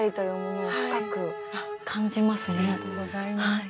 ありがとうございます。